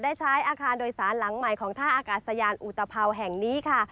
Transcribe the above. ได้ใช้อาคารโดยสารหลังใหม่ของท่าอากาศยานอุตภัวแห่งนี้ค่ะ